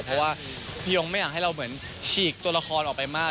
เพราะว่าพี่ยงไม่อยากให้เราเหมือนฉีกตัวละครออกไปมาก